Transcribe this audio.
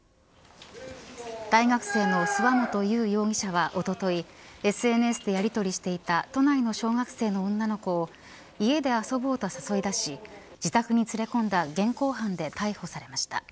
大学生の諏訪本悠容疑者はおとといＳＮＳでやりとりしていた都内の小学生の女の子を家で遊ぼうと誘い出し自宅に連れ込んだ現行犯で逮捕されました。